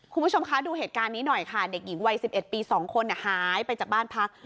คุณผู้ชมคะดูเหตุการณ์นี้หน่อยค่ะเด็กหญิงวัย๑๑ปี๒คนหายไปจากบ้านพัก